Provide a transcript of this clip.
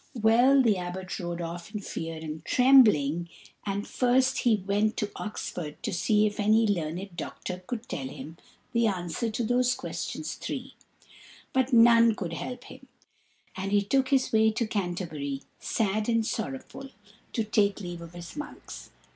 Well, the Abbot rode off in fear and trembling, and first he went to Oxford to see if any learned doctor could tell him the answer to those questions three; but none could help him, and he took his way to Canterbury, sad and sorrowful, to take leave of his monks.